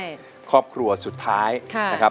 ก็เป็นครอบครัวสุดท้ายนะครับ